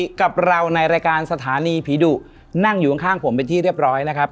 กับเราในรายการสถานีผีดุนั่งอยู่ข้างผมเป็นที่เรียบร้อยนะครับ